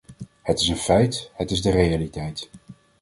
Het is een feit; het is de realiteit.